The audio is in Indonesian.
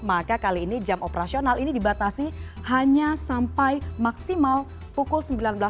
maka kali ini jam operasional ini dibatasi hanya sampai maksimal pukul sembilan belas